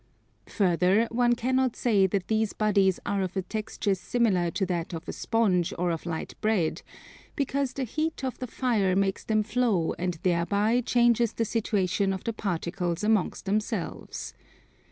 Further, one cannot say that these bodies are of a texture similar to that of a sponge or of light bread, because the heat of the fire makes them flow and thereby changes the situation of the particles amongst themselves.